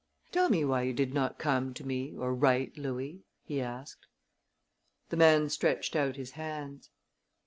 "Tell me why you did not come to me or write, Louis?" he asked. The man stretched out his hands.